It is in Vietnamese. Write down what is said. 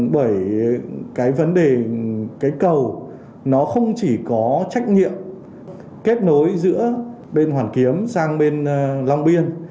bởi cái vấn đề cái cầu nó không chỉ có trách nhiệm kết nối giữa bên hoàn kiếm sang bên long biên